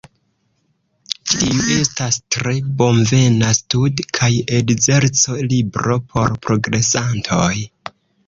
Ĉi tiu estas tre bonvena stud- kaj ekzerco-libro por progresantoj.